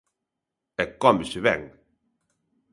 E cómese ben.